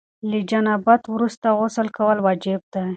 له جنابت وروسته غسل کول واجب دي.